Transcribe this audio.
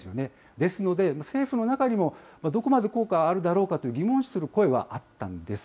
ですので、政府の中にもどこまで効果あるだろうかと疑問視する声はあったんです。